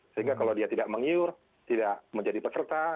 sehingga kalau dia tidak mengiur tidak menjadi peserta